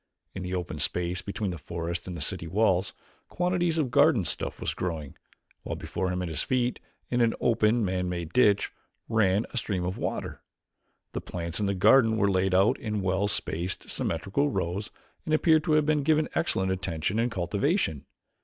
In the open space between the forest and the city walls, quantities of garden stuff was growing, while before him at his feet, in an open man made ditch, ran a stream of water! The plants in the garden were laid out in well spaced, symmetrical rows and appeared to have been given excellent attention and cultivation.